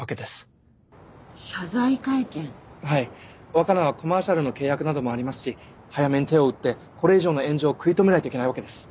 若菜はコマーシャルの契約などもありますし早めに手を打ってこれ以上の炎上を食い止めないといけないわけです。